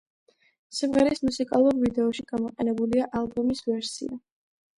სიმღერის მუსიკალურ ვიდეოში გამოყენებულია ალბომის ვერსია.